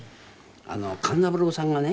勘三郎さんがね